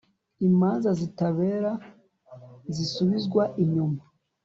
Imanza zitabera zisubizwa inyuma